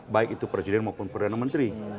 baik itu presiden maupun perdana menteri